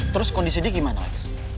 terus kondisi dia gimana lex